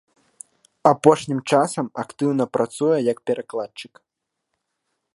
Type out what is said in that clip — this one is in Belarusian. Апошнім часам актыўна працуе як перакладчык.